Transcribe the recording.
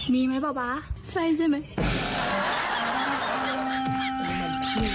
มีไหมเปล่าบ๊ะใช่ใช่ไหม